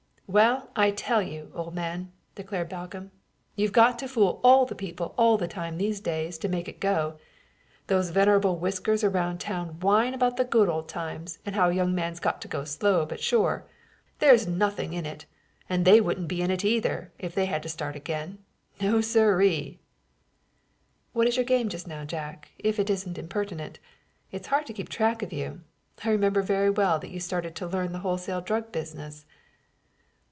"Well, I tell you, old man," declared Balcomb, "you've got to fool all the people all the time these days to make it go. Those venerable whiskers around town whine about the good old times and how a young man's got to go slow but sure. There's nothing in it; and they wouldn't be in it either, if they had to start in again; no siree!" "What is your game just now, Jack, if it isn't impertinent? It's hard to keep track of you. I remember very well that you started in to learn the wholesale drug business."